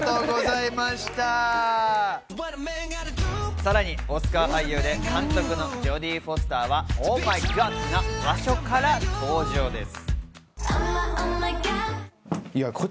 さらにオスカー俳優で監督のジョディ・フォスターはＯｈＭｙＧｏｄな場所から登場です。